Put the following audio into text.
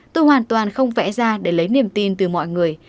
tôi hoàn toàn không vẽ ra để lấy niềm tin từ mọi người